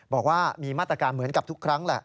บอกว่ามีมาตรการเหมือนกับทุกครั้งแหละ